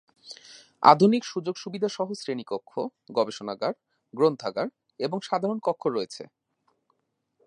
আধুনিক সুযোগ সুবিধা সহ শ্রেণীকক্ষ, গবেষণাগার, গ্রন্থাগার এবং সাধারণ কক্ষ রয়েছে।